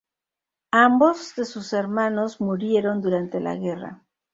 Ambos de sus hermanos murieron durante la guerra.